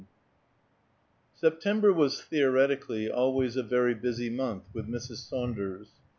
IX. September was theoretically always a very busy month with Mrs. Saunders.